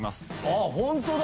ああホントだ！